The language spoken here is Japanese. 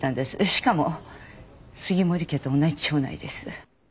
しかも杉森家と同じ町内です。